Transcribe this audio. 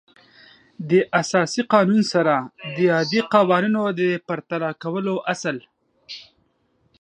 د اساسي قانون سره د عادي قوانینو د پرتله کولو اصل